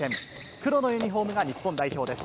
黒のユニホームが日本代表です。